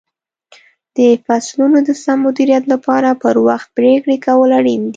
د فصلونو د سم مدیریت لپاره پر وخت پرېکړې کول اړین دي.